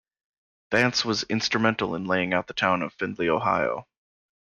Vance was instrumental in laying out the town of Findlay, Ohio.